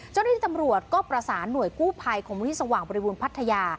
จลที่ตำรวจก็ประสานหน่วยกู้ภัยของวงฤทธิ์สว่างบริวุณพัทยา